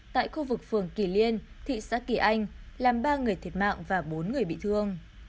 tại khu vực phường kỳ liên thị xã kỳ anh làm ba người thiệt mạng và bốn người bị thương